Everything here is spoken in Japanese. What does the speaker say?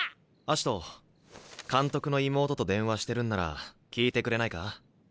葦人監督の妹と電話してるんなら聞いてくれないか？